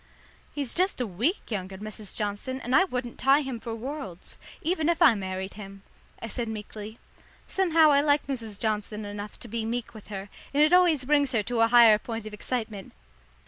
"He's just a week younger, Mrs. Johnson, and I wouldn't tie him for worlds, even if I married him," I said meekly. Somehow I like Mrs. Johnson enough to be meek with her, and it always brings her to a higher point of excitement.